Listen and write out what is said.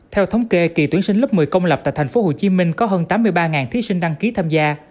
theo thống kê kỳ tuyển sinh lớp một mươi công lập tại thành phố hồ chí minh có hơn tám mươi ba thí sinh đăng ký tham gia